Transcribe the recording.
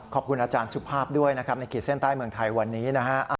ขอบคุณอาจารย์สุภาพด้วยนะครับในขีดเส้นใต้เมืองไทยวันนี้นะฮะ